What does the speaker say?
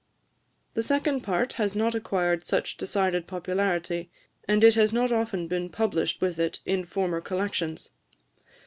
The second part has not acquired such decided popularity, and it has not often been published with it in former Collections.